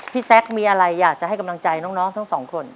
แซคมีอะไรอยากจะให้กำลังใจน้องทั้งสองคน